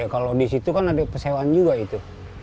kalau di situ kan ada pesewaan juga itu